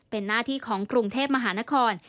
เป็นหน้าที่ของกรุงเทพมหานคร